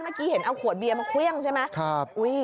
เมื่อกี้เห็นเอาขวดเบียร์มาเครื่องใช่ไหม